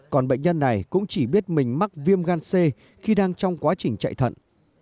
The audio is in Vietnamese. còn bệnh nhân này cũng chỉ biết mình mắc viêm gan c khi đang trong quá trình chạy thận